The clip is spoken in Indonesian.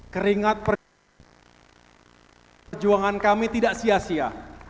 keringat perjuangan kami tidak sia sia